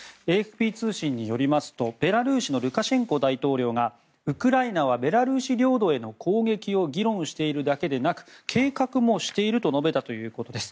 ＡＦＰ通信によりますとベラルーシのルカシェンコ大統領がウクライナはベラルーシ領土への攻撃を議論しているだけでなく計画もしていると述べたということです。